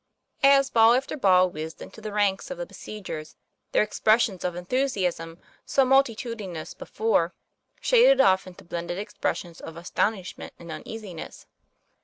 As ball after ball whizzed into the ranks of the besiegers, their expressions of enthusiasm, so multi tudinous before, shaded off into blended expressions of astonishment and uneasiness.